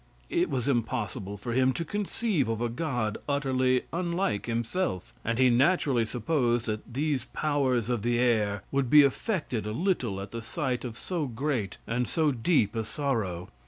It was impossible for him to conceive of a god utterly unlike himself, and he naturally supposed that these powers of the air would be affected a little at the sight of so great and so deep a sorrow.